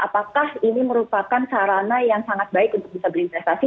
apakah ini merupakan sarana yang sangat baik untuk bisa berinvestasi